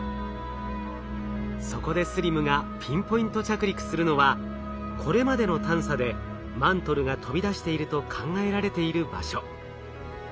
そこでＳＬＩＭがピンポイント着陸するのはこれまでの探査でマントルが飛び出していると考えられている場所。